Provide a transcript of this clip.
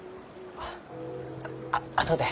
ああとで。